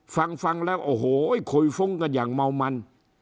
ฟังฟังแล้วโอ้โหคุยฟุ้งกันอย่างเมามัน